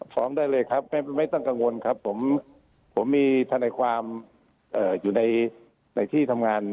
ฟ้องได้เลยครับไม่ต้องกังวลครับผมมีทนายความอยู่ในที่ทำงาน